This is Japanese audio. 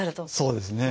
そうですね。